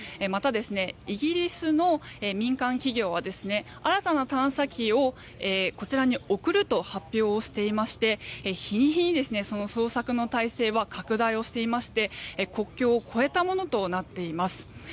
イギリスの民間企業は新たな探索機をこちらに送ると発表していまして日に日に捜索の態勢は拡大をしていまして国境を越えたものとなっています。